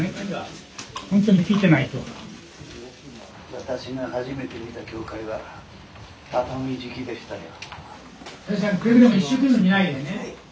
私が初めて見た教会は畳敷きでしたよ。